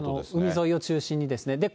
海沿いを中心にですね。